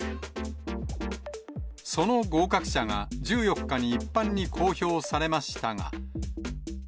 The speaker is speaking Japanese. その合格者が、１４日に一般に公表されましたが。